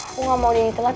aku gak mau jadi telat